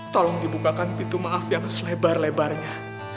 tolong dibukakan pintu maaf yang selebar lebarnya